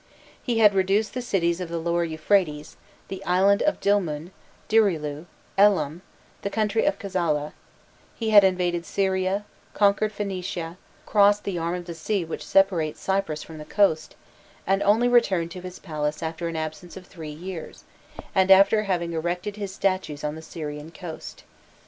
He had reduced the cities of the Lower Euphrates, the island of Dilmun, Durilu, Elam, the country of Kazalla: he had invaded Syria, conquered Phoenicia, crossed the arm of the sea which separates Cyprus from the coast, and only returned to his palace after an absence of three years, and after having erected his statues on the Syrian coast.